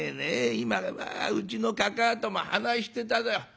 今うちのかかあとも話してただ。